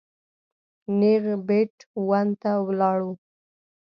نېغ بېټ ون ته ولاړو.